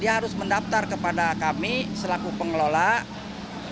dia harus mendaftar kepada kami selaku pengelolaan ini